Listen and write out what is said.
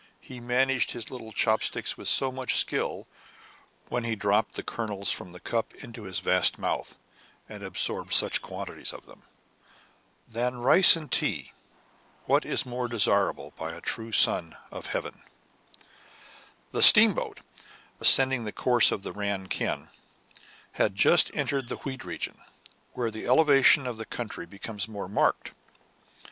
He managed his little chop sticks with so much skill when he dropped the kernels from the cup into his vast mouth, and ab sorbed such quantities of them ! Than rice and KIN FO STARTS ON AN ADVENTURE. 125 tea, what more is desired by a true Son of Heaven ? The steamboat, ascending the course of the Ran Kiang, had just entered the wheat region, where the elevation of the country becomes more marked.